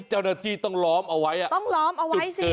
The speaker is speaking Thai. เจ้าหน้าที่ต้องล้อมเอาไว้อ่ะต้องล้อมเอาไว้สิ